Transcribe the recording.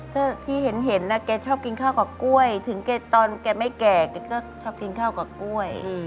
ก็ที่เห็นนะแกชอบกินข้าวกับกล้วยถึงแกตอนแกไม่แก่แกก็ชอบกินข้าวกับกล้วย